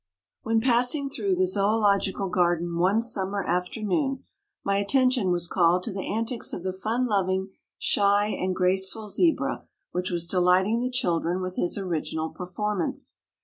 When passing through the zoological garden one summer afternoon, my attention was called to the antics of the fun loving, shy and graceful Zebra which was delighting the children with his original performance.